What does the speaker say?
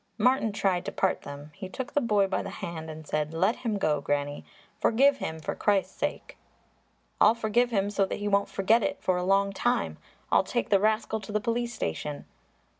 Martin tried to part them; he took the boy by the hand and said, "Let him go, Granny. Forgive him for Christ's sake." "I'll forgive him so that he won't forget it for a long time! I'll take the rascal to the police station!"